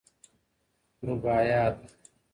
رباعیات .